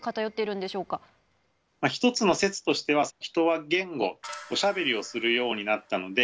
１つの説としては人は言語おしゃべりをするようになったので。